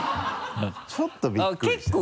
ちょっとびっくりした。